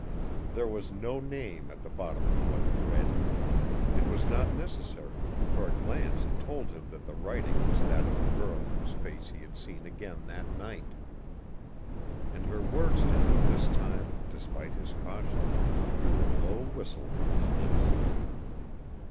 There was no name at the bottom of what he read. It was not necessary, for a glance had told him that the writing was that of the girl whose face he had seen again that night; and her words to him this time, despite his caution, drew a low whistle from his lips.